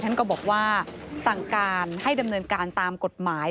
ท่านก็บอกว่าสั่งการให้ดำเนินการตามกฎหมาย